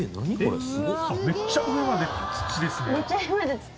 めっちゃ上まで土です。